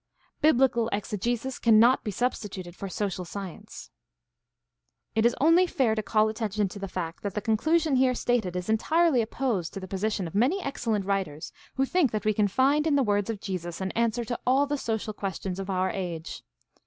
Biblical exegesis cannot be substituted for social science. — It is only fair to call attention to the fact that the conclusion here stated is entirely opposed to the position of many excellent writers who think that we can find in the words of Jesus an answer to all the social questions of our age.